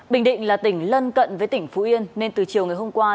bình định là tỉnh lân cận với tỉnh phú yên nên từ chiều ngày hôm qua